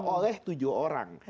oleh tujuh orang